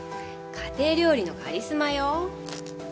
家庭料理のカリスマよ。